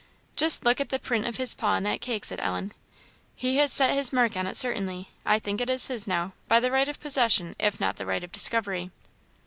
"Just look at the print of his paw in that cake," said Ellen. "He has set his mark on it, certainly. I think it is his now, by the right of possession if not the right of discovery."